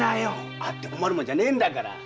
あって困るもんじゃねえんだから。